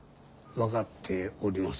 分かっております。